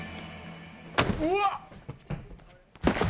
うわっ！